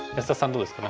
どうですか何か。